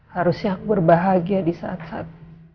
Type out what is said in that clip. harusnya aku berbahagia disaat saat